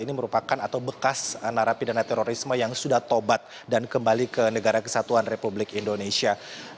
ini merupakan atau bekas narapidana terorisme yang sudah tobat dan kembali ke negara kesatuan republik indonesia